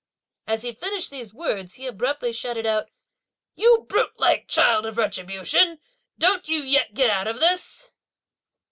And as he finished these words, he abruptly shouted out: "You brute like child of retribution! Don't you yet get out of this?"